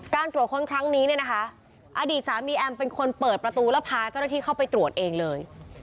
ตรวจค้นครั้งนี้เนี่ยนะคะอดีตสามีแอมเป็นคนเปิดประตูแล้วพาเจ้าหน้าที่เข้าไปตรวจเองเลย